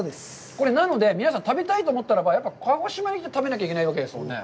これなので、皆さん、食べたいと思ったら、やっぱり鹿児島に来て食べなきゃいけないわけですもんね。